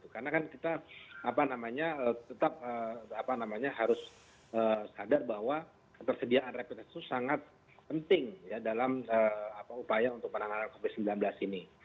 karena kan kita tetap harus sadar bahwa ketersediaan rapid test itu sangat penting dalam upaya untuk penanganan covid sembilan belas ini